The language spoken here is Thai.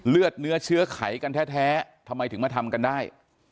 เลือดเนื้อเชื้อไขกันแท้ทำไมถึงมาทำกันได้